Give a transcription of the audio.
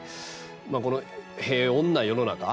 この平穏な世の中